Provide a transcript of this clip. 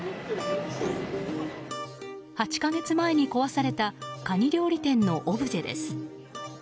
８か月前に壊されたカニ料理店のオブジェです。